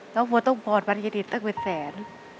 น้องฝนต้องปลอดภัณฑ์กระดิษฐ์ตั้งเป็นแสน